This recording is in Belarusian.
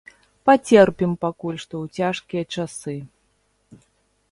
Пацерпім пакуль што, у цяжкія часы.